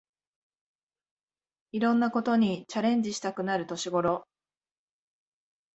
いろんなことにチャレンジしたくなる年ごろ